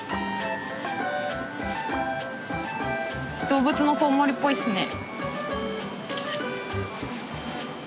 動物のコウモリっぽいすね。